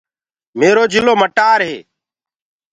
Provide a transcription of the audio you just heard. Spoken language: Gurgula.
ميرو جِلو مٽياريٚ هي